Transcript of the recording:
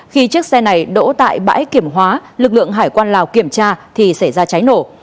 khi chiếc xe này đổ tại bãi kiểm hóa lực lượng hải quan lào kiểm tra thì xảy ra cháy nổ